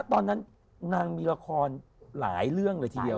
ตอนนั้นนางมีละครหลายเรื่องเลยทีเดียว